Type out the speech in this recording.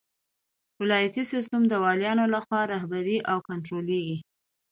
ولایتي سیسټم د والیانو لخوا رهبري او کنټرولیږي.